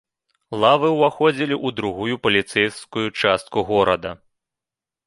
Лавы ўваходзілі ў другую паліцэйскую частку горада.